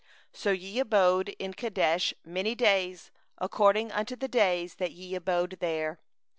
46So ye abode in Kadesh many days, according unto the days that ye abode there.